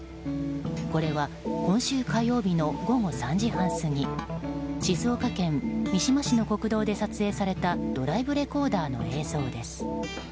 これは今週火曜日の午後３時半過ぎ静岡県三島市の国道で撮影されたドライブレコーダーの映像です。